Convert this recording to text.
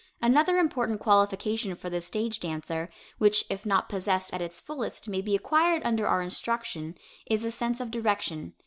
Another important qualification for the stage dancer, which if not possessed at its fullest may be acquired under our instruction, is a sense of direction.